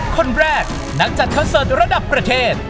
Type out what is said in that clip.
คนแรกนักจัดคอนเสิร์ตระดับประเทศ